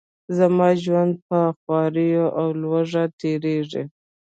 زما ژوند په خواریو او لوږه تیریږي.